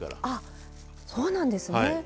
あっそうなんですね。